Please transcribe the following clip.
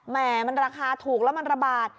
แห่มันราคาถูกแล้วมันระบาด